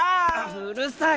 うるさい！